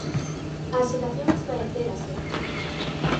A axitación esvaecérase.